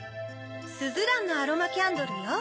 すずらんのアロマキャンドルよ。